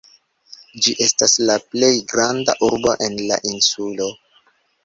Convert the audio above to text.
Ĝi estas la plej granda urbo en la insulo.